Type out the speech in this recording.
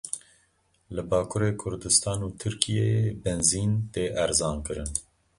Li Bakurê Kurdistan û Tirkiyeyê benzîn tê erzankirin.